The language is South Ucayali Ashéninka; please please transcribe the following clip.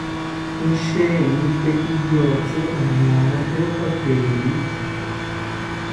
Sheeni tee iyotziro oñaanatero paperiki